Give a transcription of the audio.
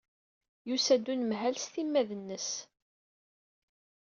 Yusa-d unemhal s timmad-nnes.